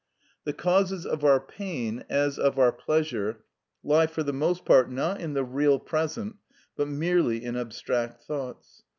The causes of our pain, as of our pleasure, lie for the most part, not in the real present, but merely in abstract thoughts.